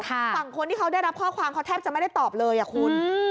ฝั่งคนที่เขาได้รับข้อความเขาแทบจะไม่ได้ตอบเลยอ่ะคุณ